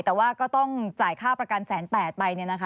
แต่ว่าก็ต้องจ่ายค่าประการ๑๐๘๐๐๐บาทใบ